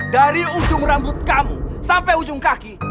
dari ujung rambut kamu sampai ujung kaki